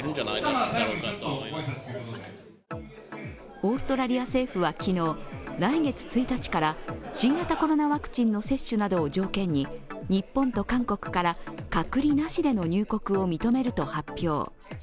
オーストラリア政府は昨日来月１日から新型コロナワクチンの接種などを条件に日本と韓国から隔離なしでの入国を認めると発表。